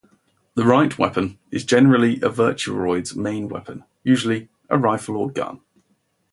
The Right Weapon is generally a Virtuaroid's main weapon, usually a rifle or gun.